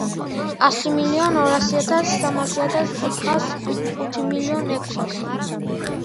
გამორჩეულია ქალაქის არქიტექტურა, სასახლეების დიდი ნაწილი რომანულ არქიტექტურულ სტილშია ნაგები.